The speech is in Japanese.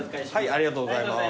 ありがとうございます。